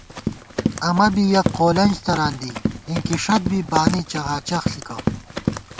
اَمہ بی یَہ قونج تران دی ہِنکِی ݭَت بی بانی چغاچغ ݪِکہ